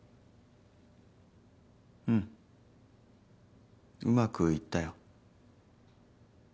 うんうまくいったよ。